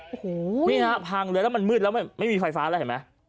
โอ้โหนี่ฮะพังเลยแล้วมันมืดแล้วไม่มีไฟฟ้าแล้วเห็นไหม